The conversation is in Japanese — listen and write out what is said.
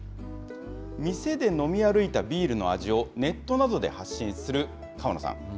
店で飲み歩いたビールの味を、ネットなどで発信する川野さん。